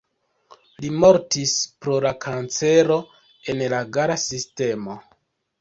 Li mortis pro la kancero en la gala sistemo.